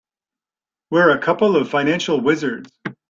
We're a couple of financial wizards.